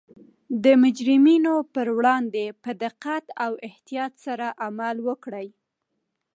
د مجرمینو پر وړاندې په دقت او احتیاط سره عمل وکړي